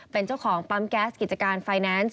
เป็นเจ้าของปั๊มแก๊สกิจการไฟแนนซ์